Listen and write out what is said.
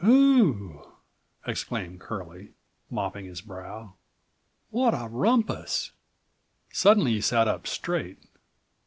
"Whew!" exclaimed Curlie, mopping his brow. "What a rumpus!" Suddenly he sat up straight.